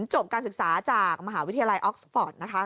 จบการศึกษาจากมหาวิทยาลัยออกสปอร์ตนะคะ